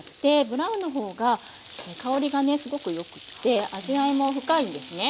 ブラウンの方が香りがねすごくよくって味わいも深いんですね。